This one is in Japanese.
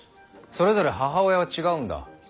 それぞれ母親は違うんだ。